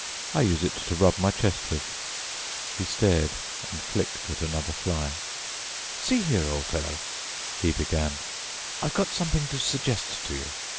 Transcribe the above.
"I use it to rub my chest with." He stared and flicked at another fly. "See here, old fellow," he began, "I've got something to suggest to you.